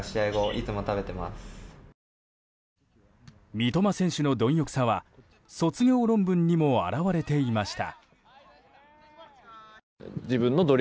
三笘選手の貪欲さは卒業論文にも表れていました。